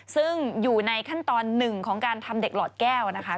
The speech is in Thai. ซึ่งอยู่ในขั้นตอนหนึ่งของการทำเด็กหลอดแก้วนะคะ